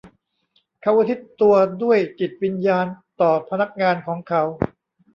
เขาอุทิศตัวด้วยจิตวิญญาณต่อพนักงานของเขา